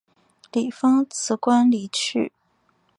李芳辞官离去。